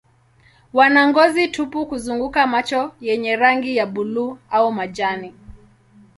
Wana ngozi tupu kuzunguka macho yenye rangi ya buluu au majani.